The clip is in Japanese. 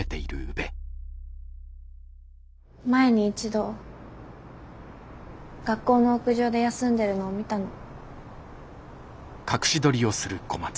前に一度学校の屋上で休んでるのを見たの。